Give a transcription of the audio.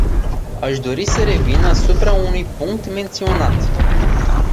Aș dori să revin asupra unui punct menționat.